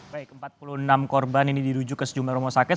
baik empat puluh enam korban ini dirujuk ke sejumlah rumah sakit